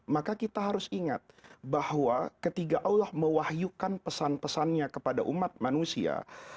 maka kita harus ingat bahwa ketika allah mewahyukan pesan pesannya kepada umat manusia